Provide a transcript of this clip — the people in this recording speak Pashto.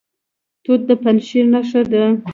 توت د پنجشیر نښه ده.